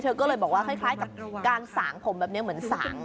เธอก็เลยบอกว่าคล้ายกับการสางผมแบบนี้เหมือนสาง